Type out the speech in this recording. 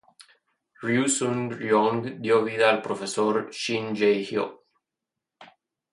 Ryu Seung-ryong dio vida al profesor, Shin Jae-hyo.